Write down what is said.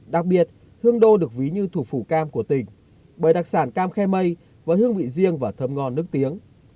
đặc biệt hương đô được ví như thủ phủ cam của tỉnh bởi đặc sản cam khe mây và hương vị riêng và thơm ngon nước tiếng